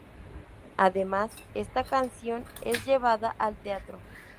Además, esta canción es llevada al teatro.